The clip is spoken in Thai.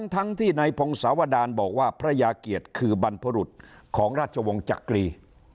ทั้งที่ในพงศาวดารบอกว่าพระยาเกียรติคือบรรพบรุษของราชวงศ์จักรี